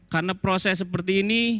karena proses seperti ini